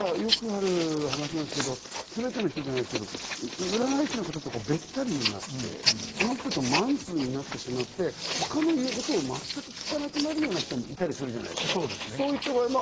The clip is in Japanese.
例えば、よくある話ですけど、占い師の人とべったりになって、その人とマンツーになってしまって、他の言うことを全く聞かなくなるような人っていたりするじゃないですか。